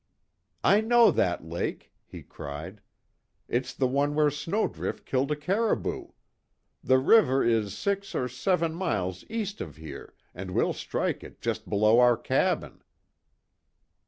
"I know that lake!" he cried, "It's the one where Snowdrift killed a caribou! The river is six or seven miles east of here, and we'll strike it just below our cabin."